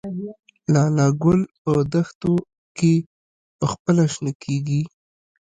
لاله ګل په دښتو کې پخپله شنه کیږي؟